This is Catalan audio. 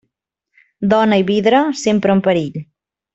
Dona i vidre, sempre en perill.